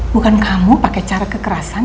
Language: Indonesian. bukan kamu pakai cara kekerasan